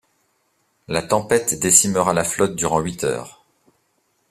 La tempête décimera la flotte durant huit heures.